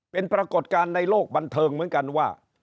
เป็นปรากฏการณ์ในโลกบันเทิงเหมือนกันว่า